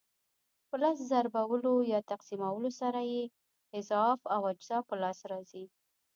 په لس ضربولو یا تقسیمولو سره یې اضعاف او اجزا په لاس راځي.